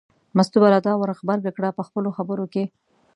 مستو به لا دا ور غبرګه کړه په خپلو خبرو کې.